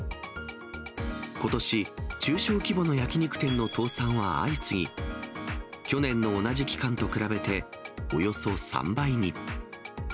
ことし、中小規模の焼き肉店の倒産は相次ぎ、去年の同じ期間と比べて、およそ３倍に。